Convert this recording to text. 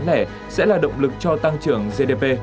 ngành bán lẻ sẽ là động lực cho tăng trưởng gdp